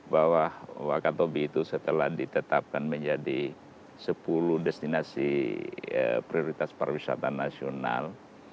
bahwa wakatobi itu setelah ditetapkan menjadi sepuluh destinasi prioritas pariwisata nasional